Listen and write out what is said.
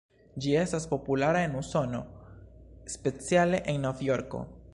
Ĝi estas populara en Usono, speciale en Novjorko.